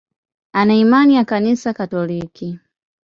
Ana imani ya Kanisa Katoliki.